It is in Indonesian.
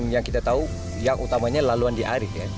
yang kita tahu yang utamanya laluan di arif ya